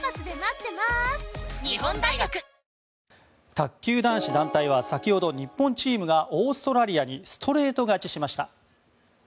卓球男子団体は先ほど日本チームがオーストラリアにストレート勝ちしました。